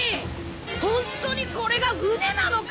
ホントにこれが船なのか！？